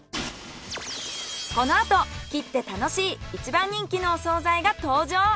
このあと切って楽しい一番人気のお惣菜が登場！